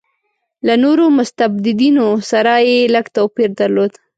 له نورو مستبدینو سره یې لږ توپیر درلود.